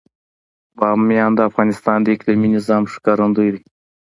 بامیان د افغانستان د اقلیمي نظام ښکارندوی ده.